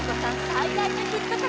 最大のヒット曲